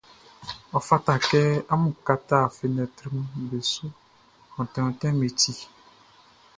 Ɔ fata kɛ amun kata fenɛtriʼm be su, onti ontinʼm be ti.